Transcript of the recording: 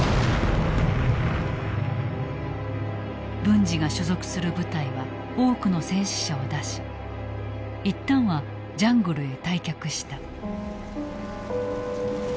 文次が所属する部隊は多くの戦死者を出し一旦はジャングルへ退却した。